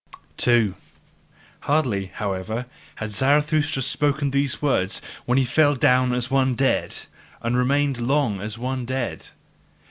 2. Hardly, however, had Zarathustra spoken these words, when he fell down as one dead, and remained long as one dead.